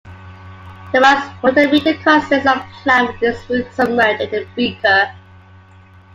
The mass potometer consists of a plant with its root submerged in a beaker.